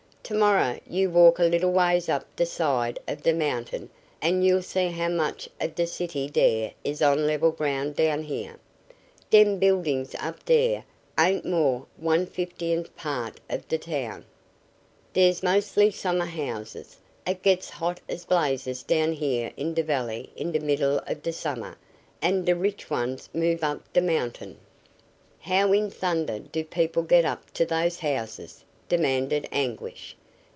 Tomorrow you walk a little ways up d' side of d' mountain an' you'll see how much of d' city dere is on level ground down here. Dem buildings up dere ain't more'n one fiftieth part of d'town. Dey're mostly summer homes. It gets hot as blazes down here in d' valley in d' middle of d' summer and d' rich ones move up d' mountain." "How in thunder do people get up to those houses?" demanded Anguish.